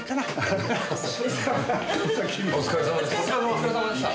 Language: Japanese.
お疲れさまでした。